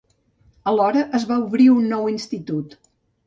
Alhora, es va obrir un nou institut.